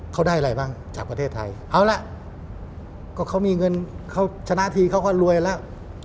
เขาได้อะไรบ้างจากประเทศไทยเอาล่ะก็เขามีเงินเขาชนะทีเขาก็รวยแล้ว